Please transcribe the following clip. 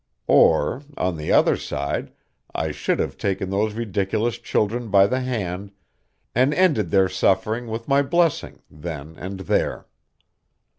Or, on the other side, I should have taken those ridiculous children by the hand, and ended their suffering with my blessing then and there.